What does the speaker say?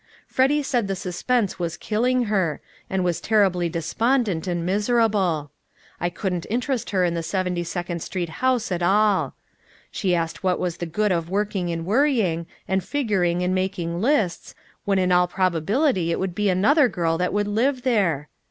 Freddy said the suspense was killing her, and was terribly despondent and miserable. I couldn't interest her in the Seventy second Street house at all. She asked what was the good of working and worrying, and figuring and making lists when in all probability it would be another girl that would live there.